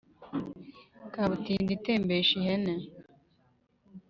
Kabutindi itembesha ihene